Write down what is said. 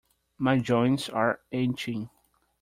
My joints are aching.